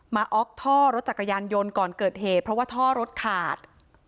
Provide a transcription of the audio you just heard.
อ๊อกท่อรถจักรยานยนต์ก่อนเกิดเหตุเพราะว่าท่อรถขาด